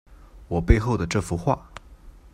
我背后的这幅画